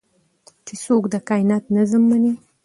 چې څوک د کائنات نظم مني